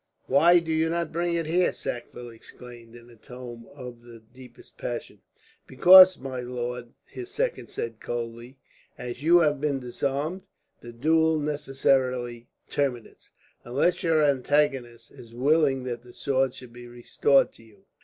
"Why do you not bring it here?" Sackville exclaimed, in a tone of the deepest passion. "Because, my lord," his second said coldly, "as you have been disarmed, the duel necessarily terminates; unless your antagonist is willing that the sword shall be restored to you."